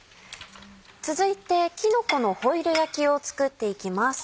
続いてきのこのホイル焼きを作っていきます。